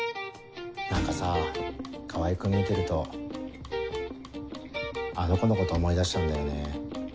何かさ川合君見てるとあの子のこと思い出しちゃうんだよね。